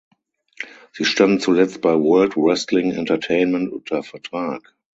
Sie standen zuletzt bei World Wrestling Entertainment unter Vertrag.